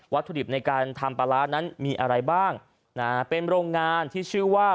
ถุดิบในการทำปลาร้านั้นมีอะไรบ้างนะฮะเป็นโรงงานที่ชื่อว่า